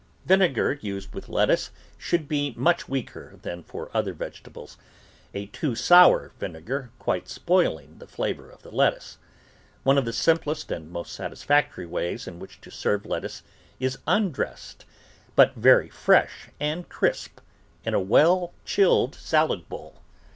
Vinegar used with lettuce should be much weaker than for other vegetables, a too sour vinegar quite spoiling the flavour of the lettuce. One of the sim plest and most satisfactory ways in which to serve lettuce is undressed, but very fresh and crisp in a well chilled salad bowl.